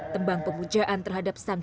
tembang pemujaan terhadap sejarah